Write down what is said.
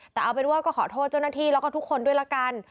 แต่เอาเป็นว่าก็ขอโทษเจ้าหน้าที่แล้วก็ทุกคนด้วยละกัน